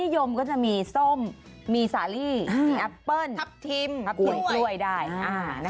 ที่นิยมก็จะมีส้มมีสาลีมีอัปเปิ้ลทับทิมกล้วยกล้วยได้